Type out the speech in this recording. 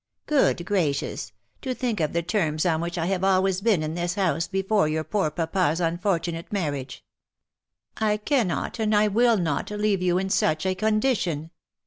Good gracious ! To think of the terms on which I have always been in this house before your poor papa's un fortunate marriage ! I cannot and I will not leave you in such a condition.